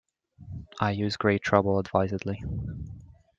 I use great trouble advisedly.